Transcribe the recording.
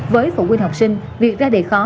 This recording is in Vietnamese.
với phụ huynh học sinh việc ra đề khó